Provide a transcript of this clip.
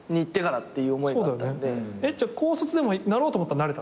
高卒でもなろうと思ったらなれた？